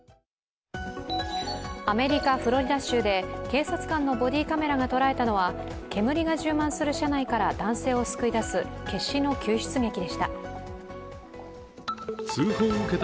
アメリカ・フロリダ州で警察官のボディーカメラが捉えたのは、煙が充満する車内から男性を救い出す決死の救出劇でした。